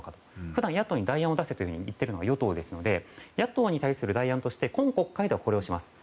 普段、野党に代案を出せと言っているのは与党ですので野党に対する代案として今国会ではこれをします